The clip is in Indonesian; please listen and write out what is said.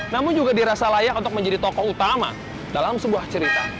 namun juga dirasa layak untuk menjadi tokoh utama dalam sebuah cerita